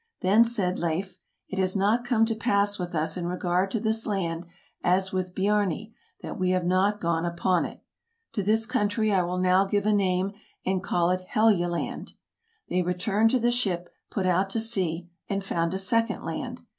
Then said Leif, " It has not come to pass with us in regard to this land as with Biarni, that we have not gone upon it. To this country I will now give a name, and call it Helluland. '' They returned to the ship, put out to sea, and found a second land.